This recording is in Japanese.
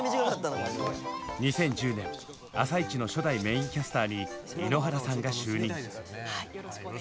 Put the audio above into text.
２０１０年「あさイチ」の初代メインキャスターに井ノ原さんが就任。